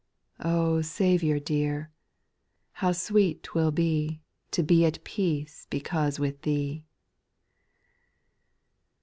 Oh, Saviour dear I how sweet 't will bo To be at peace because with Thee.